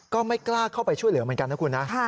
ก็ไม่กล้าเข้าไปช่วยเหลือเหมือนกันนะคุณนะ